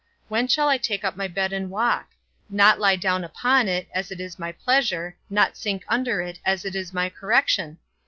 When shall I take up my bed and walk? Not lie down upon it, as it is my pleasure, not sink under it, as it is my correction?